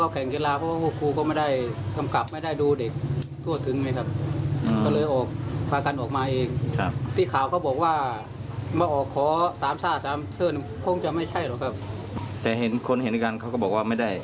คนเห็นกันเขาก็บอกว่าไม่ได้